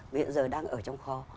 bây giờ đang ở trong kho